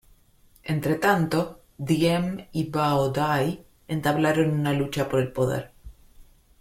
Entretanto, Diem y Bao Dai entablaron una lucha por el poder.